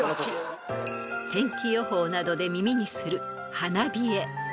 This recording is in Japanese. ［天気予報などで耳にする］